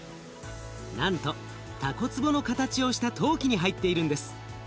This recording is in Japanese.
なんとたこ壺の形をした陶器に入っているんです。